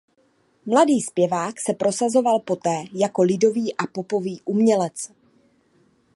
Mladý zpěvák se prosazoval poté jako lidový a popový umělec.